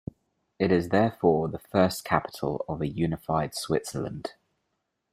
It is therefore the first capital of a unified Switzerland.